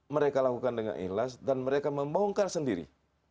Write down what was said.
mereka lakukan dengan ikhlas dan mereka membongkar sendiri